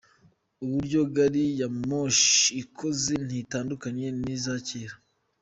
Uburyo Gari ya Moshi ikoze ntitandukanye ni za kere.